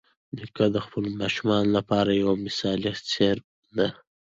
نیکه د خپلو ماشومانو لپاره یوه مثالي څېره ده.